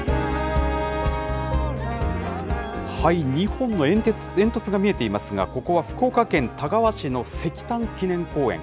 ２本の煙突が見えていますが、ここは福岡県田川市の石炭記念公園。